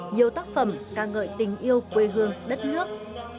nhiều tác phẩm ca ngợi tình yêu quê hương đất nước